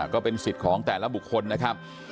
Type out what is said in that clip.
ก็เป็นสิทธิ์ของแต่ละบุคคลนะครับ